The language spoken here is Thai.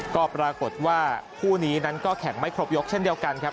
ก็ปรากฏว่าคู่นี้นั้นก็แข่งไม่ครบยกเช่นเดียวกันครับ